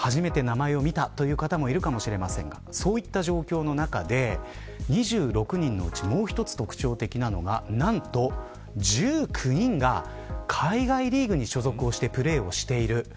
初めて名前を見たという方もいるかもしれませんがそういった状況の中で２６人のうちもう一つ特徴的なのが何と１９人が海外リーグに所属をしてプレーをしている。